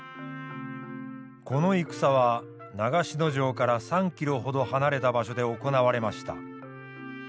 この戦は長篠城から３キロほど離れた場所で行われました。